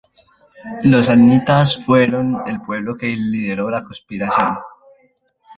Los samnitas fueron el pueblo que lideró la conspiración.